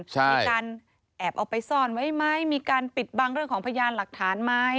มีการแอบเอาไปซ่อนไว้ไหมมีการปิดบังเรื่องของพยานหลักฐานไหม